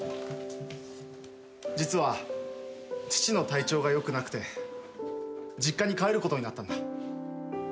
実は父の体調が良くなくて実家に帰ることになったんだ。